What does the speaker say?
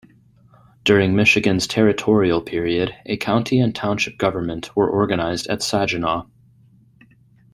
During Michigan's territorial period, a county and township government were organized at Saginaw.